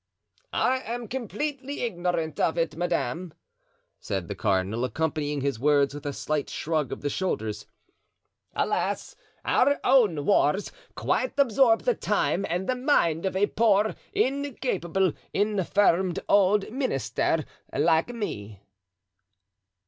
"I am completely ignorant of it, madame," said the cardinal, accompanying his words with a slight shrug of the shoulders; "alas, our own wars quite absorb the time and the mind of a poor, incapable, infirm old minister like me."